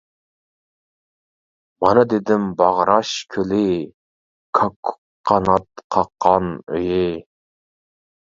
مانا دېدىم باغراش كۆلى، كاككۇك قانات قاققان ئۆيى.